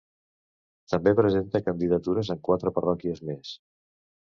També presenta candidatures en quatre parròquies més.